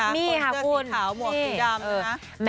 มีใช่ไหมคะคนเลือกสีขาวหมวกสีดำนะฮะ